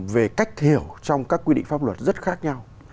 về cách hiểu trong các quy định pháp luật rất khác nhau